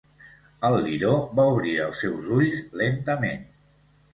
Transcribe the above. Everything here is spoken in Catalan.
El liró va obrir els seus ulls lentament.